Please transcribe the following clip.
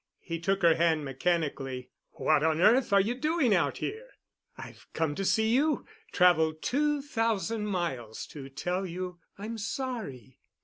He took her hand mechanically. "What on earth are you doing out here?" "I've come to see you—traveled two thousand miles to tell you I'm sorry."